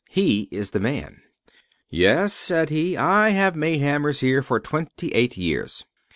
He is the man. "Yes," said he, "I have made hammers here for twenty eight years."